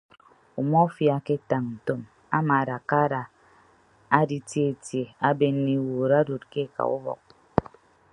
Umọfia aketañ ntom amaadakka ada aditietie abenne iwuud adod ke eka ubọk.